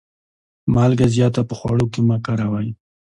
مالګه زیاته په خوړو کي مه کاروئ.